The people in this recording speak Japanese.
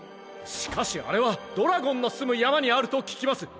「しかしあれはドラゴンのすむやまにあるとききます」。